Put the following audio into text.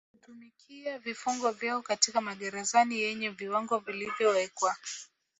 kutumikia vifungo vyao katika magerezani yenye viwango vilivyowekwa